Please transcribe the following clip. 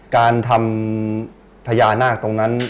การทำพญานาคตรงนั้น